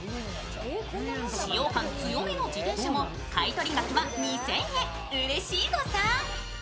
使用感強めの自転車も買い取り額は２０００円、うれしい誤算。